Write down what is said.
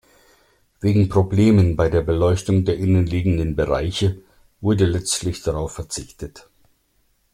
Wegen Problemen bei der Beleuchtung der innenliegenden Bereiche wurde letztlich darauf verzichtet.